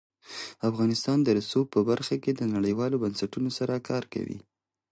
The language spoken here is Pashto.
افغانستان د رسوب په برخه کې نړیوالو بنسټونو سره کار کوي.